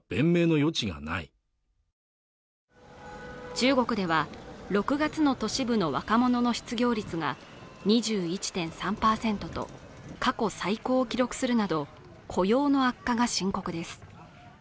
中国では６月の都市部の若者の失業率が２１．３％と過去最高を記録するなど雇用の悪化が深刻です